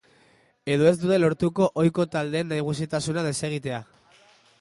Edo ez dute lortuko ohiko taldeen nagusitasuna desegitea.